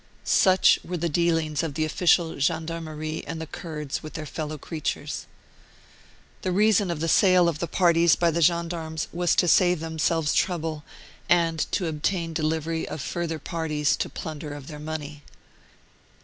Such were the dealings of the official gen darmerie and the Kurds with their fellow creatures. The reason of the sale of the parties by the gen darmes was to save themselves trouble, and to obtain delivery of further parties to plunder of their money.